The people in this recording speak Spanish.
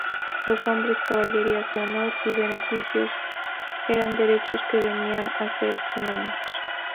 Los "honores", "caballerías de honor" y "beneficios" eran derechos que venían a ser sinónimos.